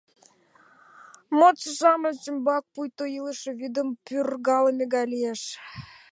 Модшо-шамыч ӱмбак пуйто илыше вӱдым пӱргалме гай лиеш.